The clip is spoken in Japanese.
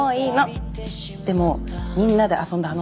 でもみんなで遊んだあのソファ。